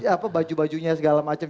apa baju bajunya segala macam